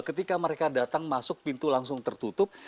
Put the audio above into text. ketika mereka datang masuk pintu langsung tertutup